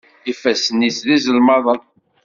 Ifassen-is d iẓelmaḍen.